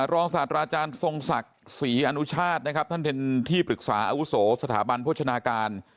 รองศาสตราอาจารย์ทรงศักดิ์ศรีอนุชาตินะครับท่านเป็นที่ปรึกษาอาวุโสสถาบันโภชนาการ